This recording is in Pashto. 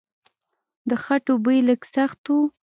د خټو بوی لږ سخت و.